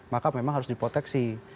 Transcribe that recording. maka memang harus diproteksi